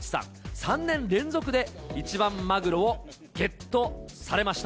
３年連続で一番マグロをゲットされました。